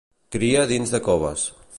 Cria dins de coves.